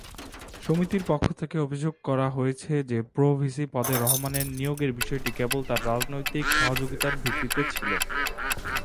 সমিতির পক্ষ থেকে অভিযোগ করা হয়েছে যে প্রো-ভিসি পদে রহমানের নিয়োগের বিষয়টি কেবল তার রাজনৈতিক সহযোগিতার ভিত্তিতে ছিল।